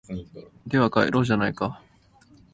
では帰ろうじゃないか